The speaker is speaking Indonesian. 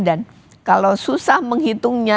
dan kalau susah menghitungnya